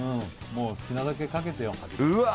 もう好きなだけかけてようわ